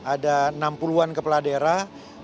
ada enam puluh an kepala daerah